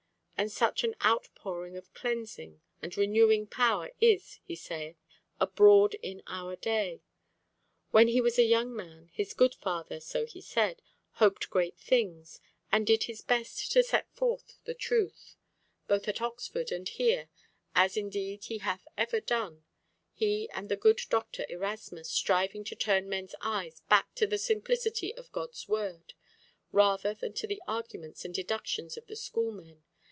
And such an outpouring of cleansing and renewing power is, he saith, abroad in our day. When he was a young man, this good father, so he said, hoped great things, and did his best to set forth the truth, both at Oxford and here, as indeed he hath ever done, he and the good Doctor Erasmus striving to turn men's eyes back to the simplicity of God's Word rather than to the arguments and deductions of the schoolmen.